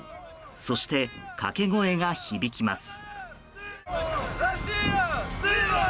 そして、掛け声が響きます。